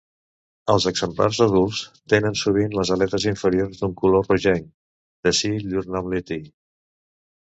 Els exemplars adults tenen sovint les aletes inferiors d'un color rogenc, d'ací llur nom llatí.